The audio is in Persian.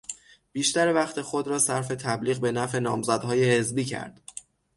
بیشتر وقت خود را صرف تبلیغ به نفع نامزدهای حزبی کرد.